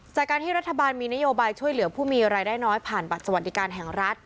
จากการที่รัฐบาลมีนโยบายช่วยเหลือผู้มีรายได้น้อยผ่านบัตรสวัสดิการแห่งรัฐ